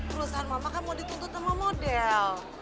perusahaan mama kan mau dituntut sama model